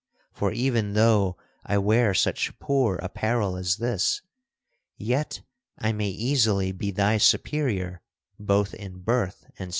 For, even though I wear such poor apparel as this, yet I may easily be thy superior both in birth and station."